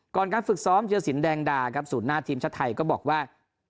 ก่อนการฝึกซ้อมเจอสินแดงดาครับสูตรหน้าทีมชาติไทยก็บอกว่า